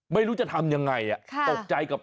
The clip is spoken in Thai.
ไม่รู้จะทำยังไงตกใจกับ